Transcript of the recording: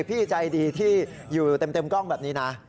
พี่ใจดีที่อยู่เต็มกล้องแบบนี้นะ